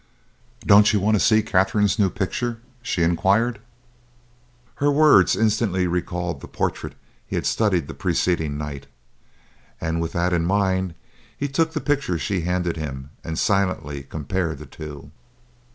"Don't you want to see Katherine's new picture?" she inquired. Her words instantly recalled the portrait he had studied the preceding night, and with that in his mind he took the picture she handed him and silently compared the two.